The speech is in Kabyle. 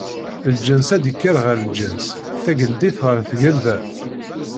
Lǧens ad d-ikker ɣer lǧens, tageldit ɣer tgelda.